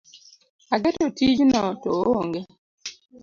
Ageto tijno to oonge.